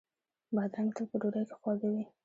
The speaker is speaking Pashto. بادرنګ تل په ډوډۍ کې خواږه وي.